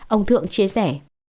ông thượng chia sẻ